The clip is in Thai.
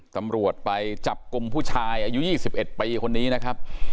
ตำรวจไปจับกลุ่มผู้ชายอายุ๒๑ปีคนนี้นะครับ